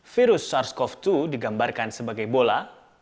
virus sars cov dua digambarkan sebagai bola